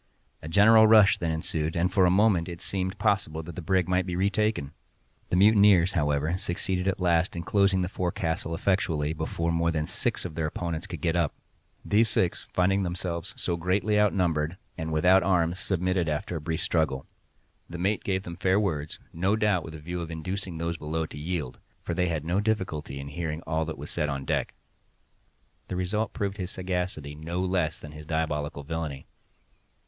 A general rush then ensued, and for a moment it seemed possible that the brig might be retaken. The mutineers, however, succeeded at last in closing the forecastle effectually before more than six of their opponents could get up. These six, finding themselves so greatly outnumbered and without arms, submitted after a brief struggle. The mate gave them fair words—no doubt with a view of inducing those below to yield, for they had no difficulty in hearing all that was said on deck. The result proved his sagacity, no less than his diabolical villainy.